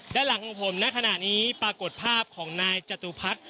ด้านหลังของผมณขณะนี้ปรากฏภาพของนายจตุพัฒน์